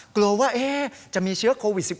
กลัวว่าจะมีเชื้อโควิด๑๙